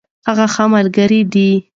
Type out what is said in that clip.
هغه ښه ملګرې ده.